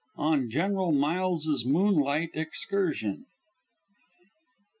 ON GENERAL MILES'S MOONLIGHT EXCURSION.